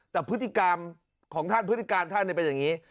แต่พฤติกรรมของท่านพฤติการท่านเป็นอย่างนี้